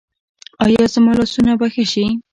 ایا زما لاسونه به ښه شي؟